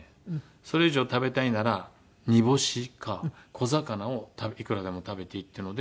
それ以上食べたいなら煮干しか小魚をいくらでも食べていいっていうので。